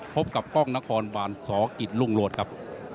พบกับกรกนครสกิจลุงรวดครับ